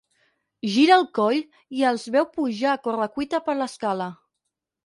Gira el coll i els veu pujar a corre cuita per l'escala.